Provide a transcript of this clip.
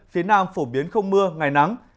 phía nam phổ biến không mưa ngày nắng